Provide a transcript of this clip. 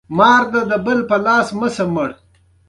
ازادي راډیو د د ښځو حقونه په اړه د مخکښو شخصیتونو خبرې خپرې کړي.